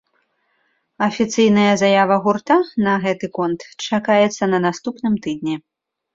Афіцыйная заява гурта на гэты конт чакаецца на наступным тыдні.